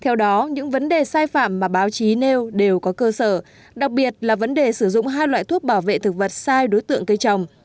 theo đó những vấn đề sai phạm mà báo chí nêu đều có cơ sở đặc biệt là vấn đề sử dụng hai loại thuốc bảo vệ thực vật sai đối tượng cây trồng